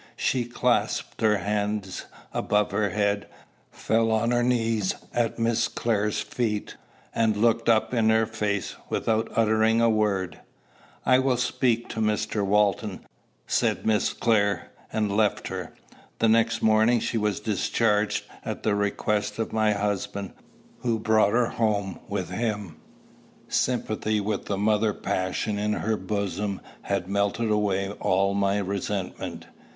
She clasped her hands above her head, fell on her knees at Miss Clare's feet, and looked up in her face without uttering a word. "I will speak to Mr. Walton," said Miss Clare; and left her. The next morning she was discharged, at the request of my husband, who brought her home with him. Sympathy with the mother passion in her bosom had melted away all my resentment.